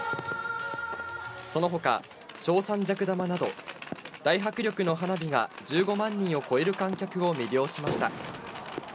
そのほか、正三尺玉など、大迫力の花火が１５万人を超える観客を魅了しました。